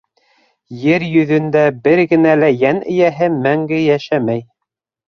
Ер йөҙөндә бер генә лә йән эйәһе мәңге йәшәмәй.